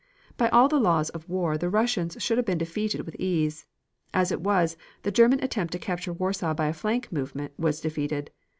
By all the laws of war the Russians should have been defeated with ease. As it was, the German attempt to capture Warsaw by a flank movement was defeated.